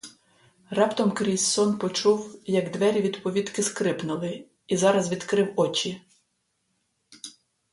Раптом крізь сон почув, як двері від повітки скрипнули, і зараз відкрив очі.